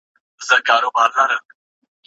ايا نړيوال سازمانونه د شخړو په حل کي بريالي دي؟